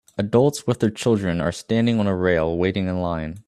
Adults with their children are standing on a rail waiting in line